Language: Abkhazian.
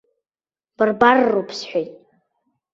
Барбарроуп, сҳәеит.